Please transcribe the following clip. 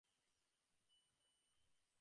নাম বললেই আপনি চিনবেন, তাই নাম বলছি না।